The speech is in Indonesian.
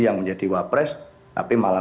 yang menjadi wapres tapi malah